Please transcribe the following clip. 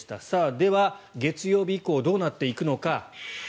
では、月曜日以降どうなっていくのか。